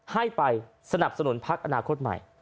ให้ไปสนับสนุนพักอนาคตใหม่